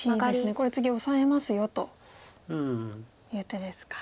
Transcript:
「これ次オサえますよ」という手ですか。